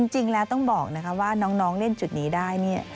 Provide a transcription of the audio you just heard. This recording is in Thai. จริงแล้วต้องบอกนะคะว่าน้องเล่นจุดนี้ได้เนี่ย